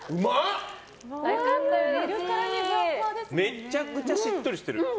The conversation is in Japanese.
めちゃくちゃしっとりしてる。